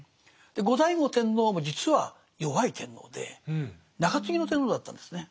後醍醐天皇も実は弱い天皇で中継ぎの天皇だったんですね。